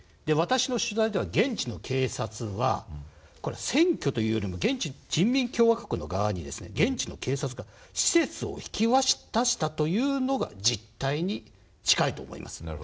私の取材では現地の警察はこれは占拠というよりも人民共和国の側に現地の警察が施設を引き渡したというのが実態に近いと思います。